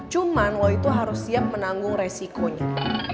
cuman waktu itu harus siap menanggung resikonya